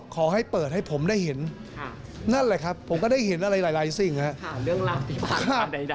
ขอให้เปิดให้ผมได้เห็นนั่นแหละครับผมก็ได้เห็นอะไรหลายสิ่งครับ